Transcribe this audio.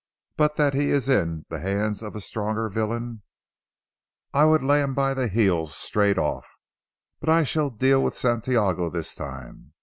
But that he is in the hands of a stronger villain, I would lay him by the heels straight off. But I shall deal with Santiago this time.